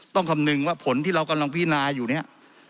คำนึงว่าผลที่เรากำลังพินาอยู่เนี่ย